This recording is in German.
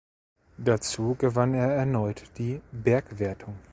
Dazu gewann er erneut die Bergwertung.